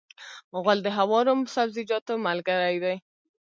غول د هوارو سبزیجاتو ملګری دی.